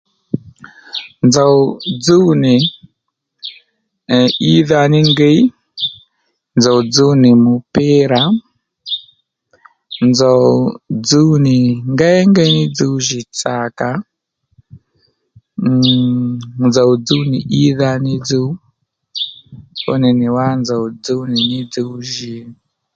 Nzòw djúw nì gbè ídha ní ngiy nzòw dzúw nì mupira nzòw dzúw nì ngengéy ní dzuw jì tsàkà mm nzòw dzúw nì ídha ní dzuw fú nì nì wá nzòw dzuw nì dzuw jI nzow dzúw nì